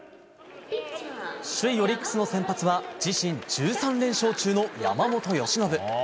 首位オリックスの先発は自身１３連勝中の山本由伸。